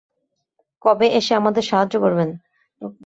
কবে এসে আমাদের সাহায্য করবেন?